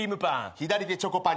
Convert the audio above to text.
左手チョコパン。